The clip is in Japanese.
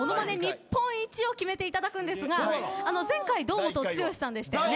日本一を決めていただくんですが前回堂本剛さんでしたよね。